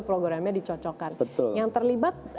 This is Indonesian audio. programnya dicocokkan yang terlibat